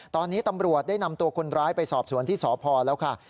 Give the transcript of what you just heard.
ตอนนี้ตำรวจได้นำตัวคนร้ายไปสอบสวนที่สพแล้วค่ะ